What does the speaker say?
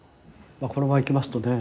このまま行きますとね